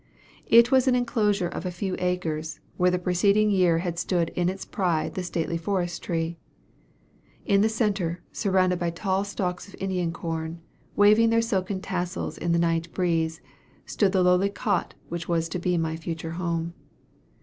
It was an enclosure of a few acres, where the preceding year had stood in its pride the stately forest tree. In the centre, surrounded by tall stalks of Indian corn, waving their silken tassels in the night breeze, stood the lowly cot which was to be my future home.